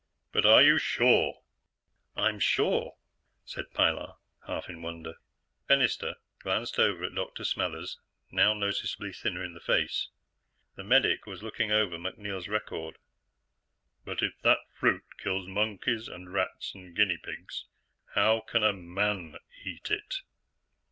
But are you sure?" "I'm sure," said Pilar, half in wonder. Fennister glanced over at Dr. Smathers, now noticeably thinner in the face. The medic was looking over MacNeil's record. "But if that fruit kills monkeys and rats and guinea pigs, how can a man eat it?"